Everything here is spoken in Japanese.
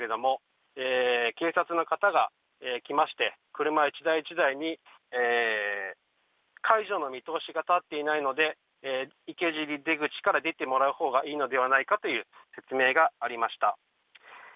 そして先ほど０時３０分ごろですけれども警察の方がきまして車１台１台に解除の見通しが立っていないので出口から出てもらうほうがいいのではという説明がありました。